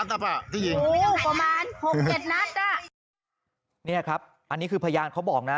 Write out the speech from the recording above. เออเอาอย่างนั้นแหละประมาณ๖๗นัทนี่ครับอันนี้คือพยายามเขาบอกนะ